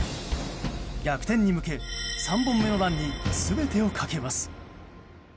逆転移向け３本目のランに全てをかけます。